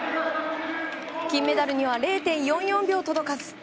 金メダルには０．０４秒届かず。